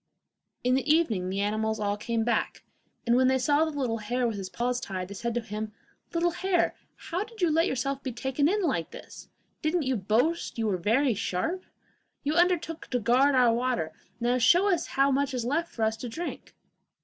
In the evening the animals all came back; and when they saw the little hare with his paws tied, they said to him: 'Little hare, how did you let yourself be taken in like this? Didn't you boast you were very sharp? You undertook to guard our water; now show us how much is left for us to drink!